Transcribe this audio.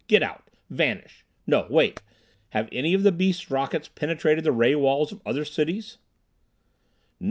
Get out! Vanish! No, wait! Have any of the beasts' rockets penetrated the ray walls of other cities?"